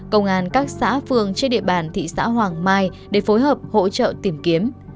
công an các xã phường trên địa bàn thị xã hoàng mai để phối hợp hỗ trợ tìm kiếm